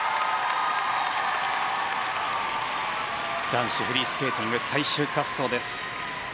男子フリースケーティング最終滑走です。